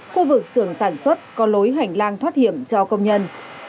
các bộ công nhân sản xuất có lối hành lang thoát hiểm cho công nhân